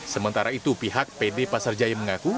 sementara itu pihak pd pasar jaya mengaku